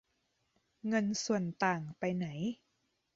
เงินส่วนต่างไปไหน